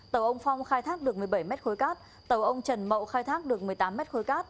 tàu ông phong khai thác được một mươi bảy mét khối cát tàu ông trần mậu khai thác được một mươi tám mét khối cát